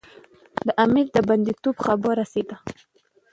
د امیر د بندي توب خبره ورسېده.